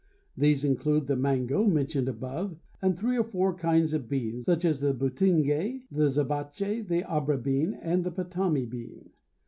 These include the mango, mentioned above, and three or four kinds of beans, such as the butingue, the zabache, the Abra bean, and the Patami bean.